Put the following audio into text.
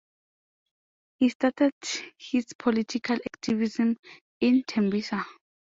He started his political activism in Tembisa.